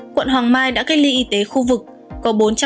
quận hoàng mai đã gây ly y tế khu vực